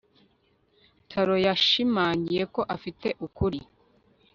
Taro yashimangiye ko afite ukuri